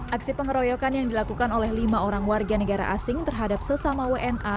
aksi pengeroyokan yang dilakukan oleh lima orang warga negara asing terhadap sesama wna